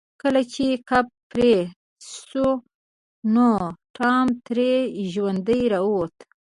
کله چې کب پرې شو نو ټام ترې ژوندی راووت.